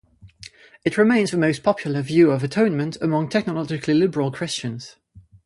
It remains the most popular view of atonement among theologically liberal Christians.